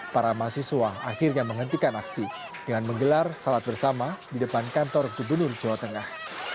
para mahasiswa akhirnya menghentikan aksi dengan menggelar salat bersama di depan kantor gubernur jawa tengah